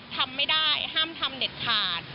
ทำไม่ได้ห้ามทำเด็ดขาด